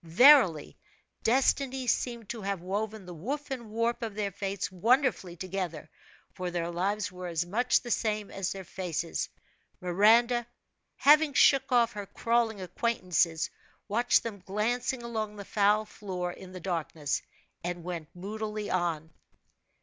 Verily, destiny seemed to have woven the woof and warp of their fates wonderfully together, for their lives were as much the same as their faces. Miranda, having shook off her crawling acquaintances, watched them glancing along the foul floor in the darkness, and went moodily on.